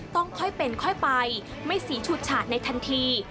ต้องค่อยเป็นค่อยไปไม่สีฉุดฉาดในทันที